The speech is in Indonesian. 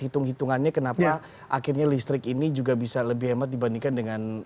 hitung hitungannya kenapa akhirnya listrik ini juga bisa lebih hemat dibandingkan dengan